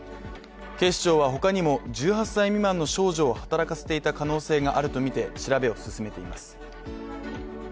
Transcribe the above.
警視庁は、他にも１８歳未満の少女を働かせていた可能性があるとみて調べを進めています。